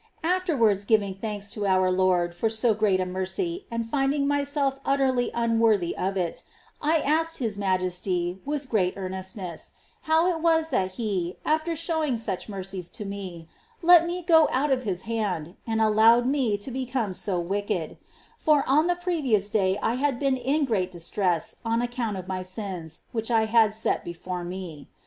^ Afterwards giving thanks to our Lord for so great a mercy, and finding myself utterly unworthy of it, I asked His Majesty with great earnestness how it was that He, after showing such mercies to me, let me go out of His hand, and allowed me to become so wicked ; for on the pre vious day I had been in great distress on account of my sins, which T had set before me.